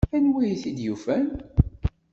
Anwa ay t-id-yufan?